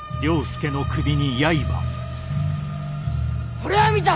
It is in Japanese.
俺は見た！